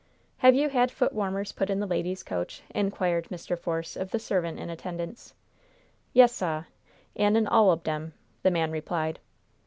"Have you had foot warmers put in the ladies' coach?" inquired Mr. Force of the servant in attendance. "Yes, sah, an' in all ob 'em," the man replied.